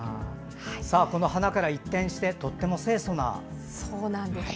この花から一転してとっても清そな。